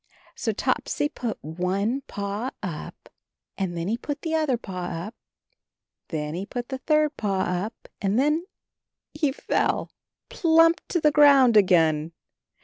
So Topsy put one paw up, and then he put the other paw up, and then he put the third paw up, and then — he fell plump to the ground again.